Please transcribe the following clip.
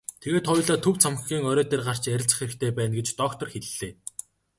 Тэгээд хоёулаа төв цамхгийн орой дээр гарч ярилцах хэрэгтэй байна гэж доктор хэллээ.